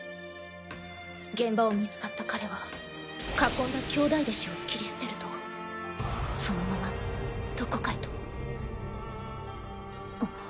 現場を見つかった彼は囲んだ兄弟弟子を切り捨てるとそのままどこかへと。